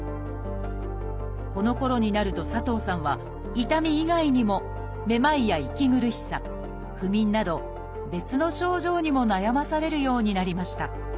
このころになると佐藤さんは痛み以外にもめまいや息苦しさ不眠など別の症状にも悩まされるようになりました。